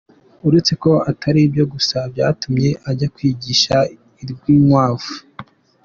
Uretse ko atari ibyo gusa byatumye ajya kwigisha i Rwinkwavu!